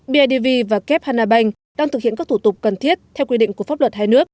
bidv và kep hanabank đang thực hiện các thủ tục cần thiết theo quy định của pháp luật hai nước